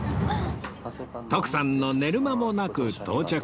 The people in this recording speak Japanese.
徳さんの寝る間もなく到着